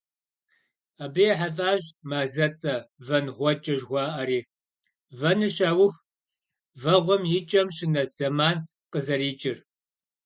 Абы ехьэлӀащ мазэцӀэ - ВэнгъуэкӀэ жыхуаӀэри: вэныр щаух, вэгъуэм и кӀэм щынэс зэман къызэрыкӀыр.